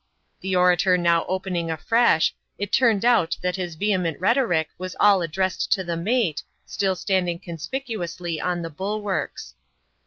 The orator now opening afresh, it turned out that his vehement rhetoric was all addressed to the mate, still standing conspicuously on the bulwarks.